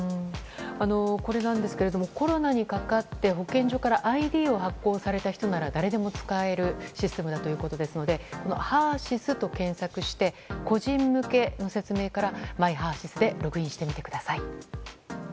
これはコロナにかかって保健所からＩＤを発行された人なら誰でも使えるシステムだということですので「ハーシス」と検索して個人向けの説明からＭｙＨＥＲ‐ＳＹＳでログインしてみてください。